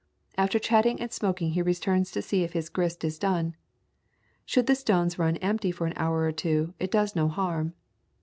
After chatting and smoking he returns to see if his grist is done. Should the stones run empty for an hour or two, it does no harm.